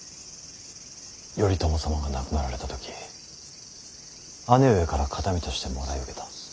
頼朝様が亡くなられた時姉上から形見としてもらい受けた。